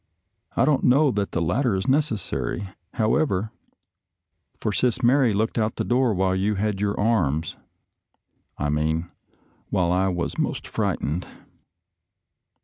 I don't know that the latter is necessary, however, for Sis Mary looked out of the door while you had your arms — I mean, while I was most fright ened."